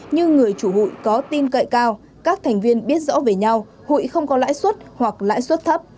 như người chủ hụi có tin cậy cao các thành viên biết rõ về nhau hụi không có lãi suất hoặc lãi suất thấp